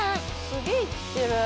すげえ行ってる。